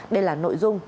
đây là nội dung